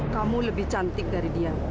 kamu lebih cantik dari dia